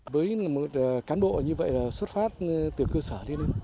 với một cán bộ như vậy là xuất phát từ cơ sở